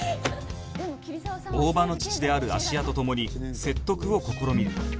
大場の父である芦屋と共に説得を試みる